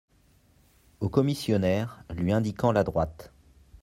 Au commissionnaire, lui indiquant la droite.